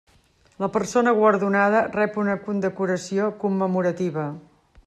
La persona guardonada rep una condecoració commemorativa.